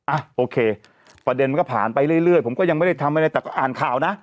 อ่ะโอเคประเด็นมันก็ผ่านไปเรื่อยผมก็ยังไม่ได้ทำอะไรแต่ก็อ่านข่าวนะ